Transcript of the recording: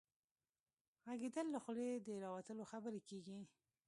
ږغيدل له خولې د راوتلو خبرو کيږي.